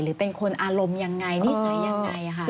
หรือเป็นคนอารมณ์อย่างไรนิสัยอย่างไรค่ะ